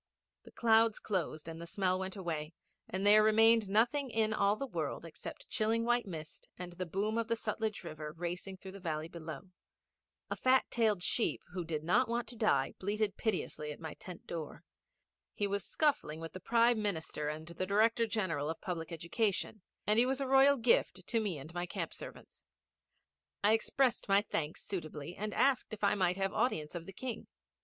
The clouds closed and the smell went away and there remained nothing in all the world except chilling white mist and the boom of the Sutlej river racing through the valley below. A fat tailed sheep, who did not want to die, bleated piteously at my tent door. He was scuffling with the Prime Minister and the Director General of Public Education, and he was a royal gift to me and my camp servants. I expressed my thanks suitably, and asked if I might have audience of the King.